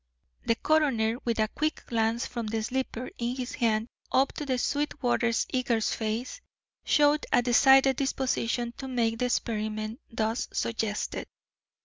The coroner, with a quick glance from the slipper in his hand up to Sweetwater's eager face, showed a decided disposition to make the experiment thus suggested.